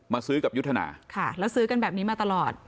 ซื้อกับยุทธนาค่ะแล้วซื้อกันแบบนี้มาตลอด